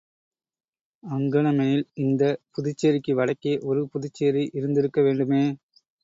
அங்ஙனமெனில், இந்தப் புதுச்சேரிக்கு வடக்கே ஒரு புதுச்சேரி இருந்திருக்கவேண்டுமே?